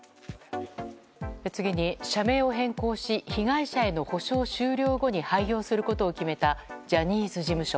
次に、社名を変更し被害者への補償終了後に廃業することを決めたジャニーズ事務所。